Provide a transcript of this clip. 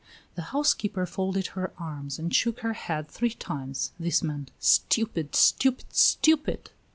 The housekeeper folded her arms and shook her head three times; this meant: "Stupid! stupid! stupid!"